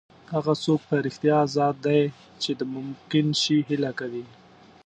هغه څوک په رښتیا ازاد دی چې د ممکن شي هیله کوي.